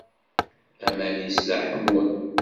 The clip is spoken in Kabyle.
Aman-is la ḥemmun.